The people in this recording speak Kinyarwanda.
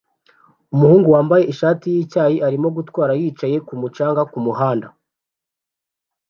Umuhungu wambaye ishati yicyayi arimo gutwara yicaye kumu canga kumuhanda